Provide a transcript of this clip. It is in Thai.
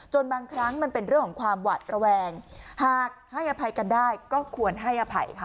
บางครั้งมันเป็นเรื่องของความหวัดระแวงหากให้อภัยกันได้ก็ควรให้อภัยค่ะ